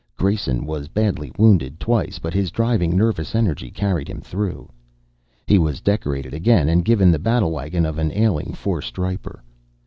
Grayson was badly wounded twice, but his driving nervous energy carried him through. He was decorated again and given the battlewagon of an ailing four striper.